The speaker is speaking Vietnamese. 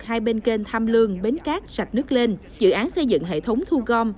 hai bên kênh tham lương bến cát sạch nước lên dự án xây dựng hệ thống thu gom